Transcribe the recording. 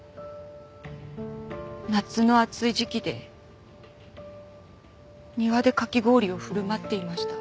夏の暑い時期で庭でかき氷を振る舞っていました。